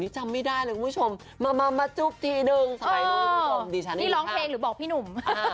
ใช่นี่ร้องเพลงหรือบอกพี่หนุ่ม